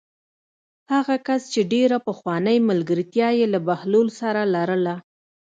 هغه کس چې ډېره پخوانۍ ملګرتیا یې له بهلول سره لرله.